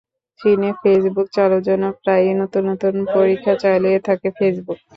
চীনে ফেসবুক চালুর জন্য প্রায়ই নতুন নতুন পরীক্ষা চালিয়ে থাকে ফেসবুক।